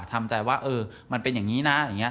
ทำใจว่ามันเป็นอย่างนี้นะ